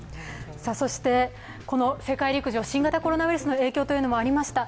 そして世界陸上、新型コロナウイルスの影響というのもありました。